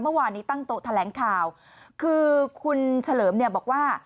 เมื่อวานนี้ตั้งโต๊ะแถลงข่าวคือคุณเฉลิมเนี่ยบอกว่า